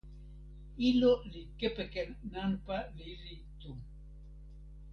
ilo li kepeken nanpa lili tu.